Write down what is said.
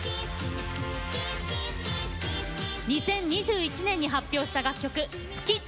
２０２１年に発表した楽曲「すきっ！